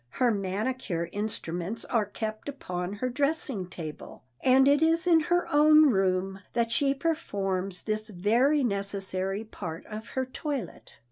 Her manicure instruments are kept upon her dressing table, and it is in her own room that she performs this very necessary part of her toilet.